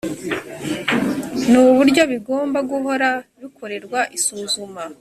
ni uburyo bigomba guhora bikorerwa isuzuma